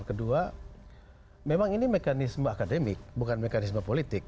kedua memang ini mekanisme akademik bukan mekanisme politik